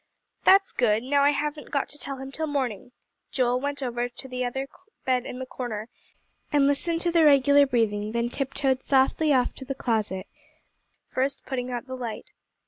"That's good, now I haven't got to tell him till morning." Joel went over to the other bed in the corner, and listened to the regular breathing, then tiptoed softly off to the closet, first putting out the light.